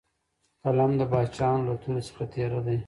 قلم د باچاهانو له تورې څخه تېره دی.